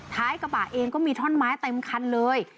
ท้ายกระบะเองก็มีท่อนไม้เต็มคันเลย